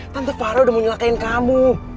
tante paro udah mau nyelakain kamu